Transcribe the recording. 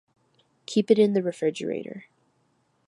Keep it in the refrigerator.